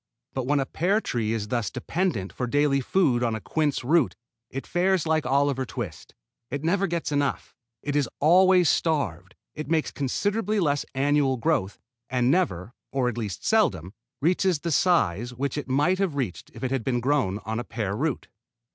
But when a pear tree is thus dependent for daily food on a quince root it fares like Oliver Twist. It never gets enough. It is always starved. It makes considerably less annual growth, and never (or at least seldom) reaches the size which it might have reached if it had been growing on a pear root.